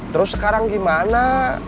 terus sekarang gimana